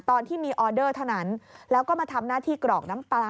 ตอนที่มีออเดอร์เท่านั้นแล้วก็มาทำหน้าที่กรอกน้ำปลา